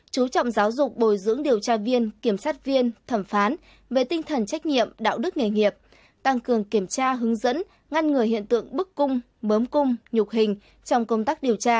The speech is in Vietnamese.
chú trọng giáo dục bồi dưỡng điều tra viên kiểm sát viên thẩm phán về tinh thần trách nhiệm đạo đức nghề nghiệp